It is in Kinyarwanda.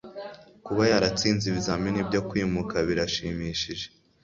kuba yaratsinze ibizamini byo kwimuka birashimishije